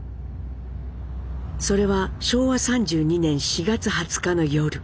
それは昭和３２年４月２０日の夜。